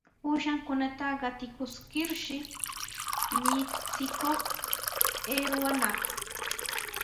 Uushankunata qatikuskirshi michikuq aywanaq.